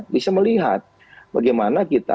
bisa melihat bagaimana kita